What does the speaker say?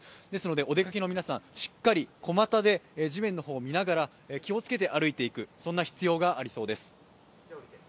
ですのでお出かけの皆さん、しっかりと小股で、地面を見ながら、気をつけて歩いていくそんな必要がありそうです。